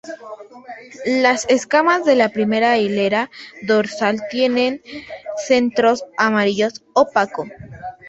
Las escamas de la primera hilera dorsal tienen centros amarillo opaco.